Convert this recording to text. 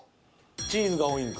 チーズが多いんか。